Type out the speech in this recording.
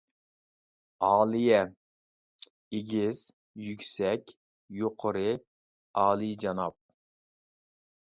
ئالىيە : ئېگىز، يۈكسەك، يۇقىرى، ئالىيجاناب.